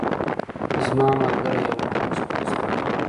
زما ملګری یو مخلص دوست ده